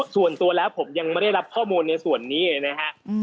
ส่วนตัวแล้วผมยังไม่ได้รับข้อมูลในส่วนนี้เลยนะฮะ